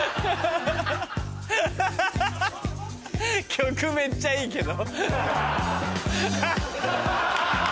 曲めっちゃいいけど。